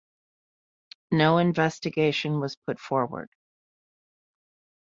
No investigation was put forward.